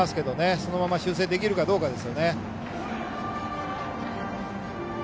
そのまま修正できるかどうかです。